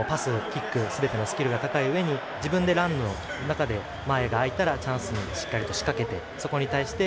キックすべてのスキルが高いうえに自分で、ランの中で前が空いたらチャンスにしっかりしかけてそこに対して